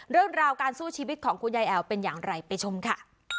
เรื่องราวการสู้ชีวิตของคุณยายแอ๋วเป็นอย่างไรไปชมค่ะ